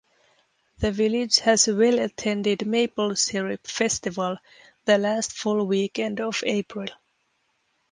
The village has a well-attended Maple Syrup Festival the last full weekend of April.